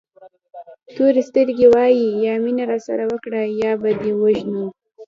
تورې سترګې وایي یا مینه راسره وکړه یا به دې ووژنو.